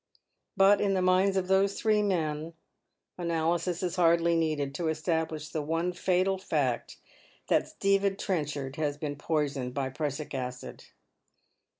But in the minds of those three men analysis is hardly needed to establish the one fatal fact that Stephen Trenchard has been poisoned by prussic acid.